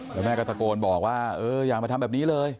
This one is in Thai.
แล้วแม่ก็ตะโกนบอกว่าเอออย่ามาทำแบบนี้เลย